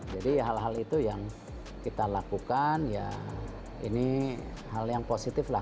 jadi hal hal itu yang kita lakukan ya ini hal yang positif lah